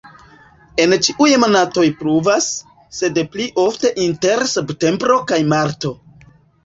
En ĉiuj monatoj pluvas, sed pli ofte inter septembro kaj marto.